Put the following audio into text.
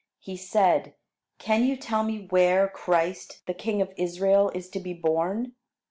He said: "Can you tell me where Christ, the king of Israel, is to be born?"